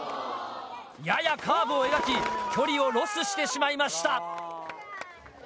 ややカーブを描き距離をロスしてしまいました。